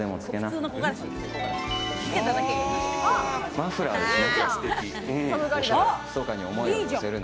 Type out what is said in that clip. マフラーですね。